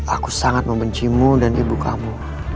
aku sangat membencimu dan ibu kamu